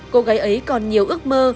cô gái ấy còn nhiều ước mơ